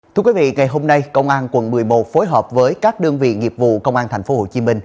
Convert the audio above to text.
thưa quý vị ngày hôm nay công an quận một mươi một phối hợp với các đơn vị nghiệp vụ công an tp hcm